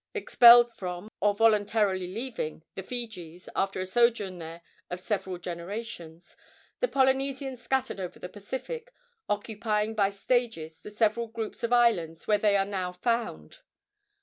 Expelled from, or voluntarily leaving, the Fijis, after a sojourn there of several generations, the Polynesians scattered over the Pacific, occupying by stages the several groups of islands where they are now found.